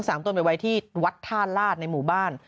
ทั้ง๓ต้นไปไว้ที่วัดท่านราชในหมู่บ้าน